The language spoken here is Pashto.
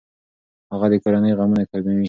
هغه د کورنۍ غمونه کموي.